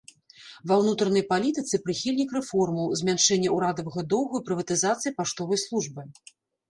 Ва ўнутранай палітыцы прыхільнік рэформаў, змяншэння ўрадавага доўгу і прыватызацыі паштовай службы.